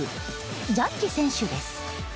ジャッジ選手です。